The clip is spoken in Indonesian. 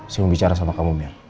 saya mau bicara sama kamu mir